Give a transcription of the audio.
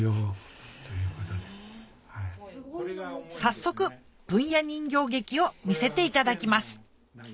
早速文弥人形劇を見せていただきます